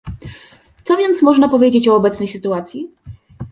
Co więc można powiedzieć o obecnej sytuacji?